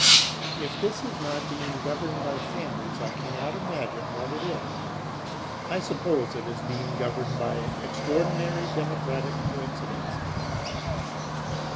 If this is not being governed by families I cannot imagine what it is. I suppose it is being governed by extraordinary democratic coincidences.